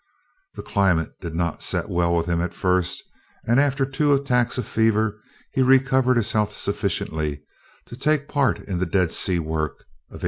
The climate did not set well with him at first, and after two attacks of fever he recovered his health sufficiently to take part in the Dead Sea work of 1875.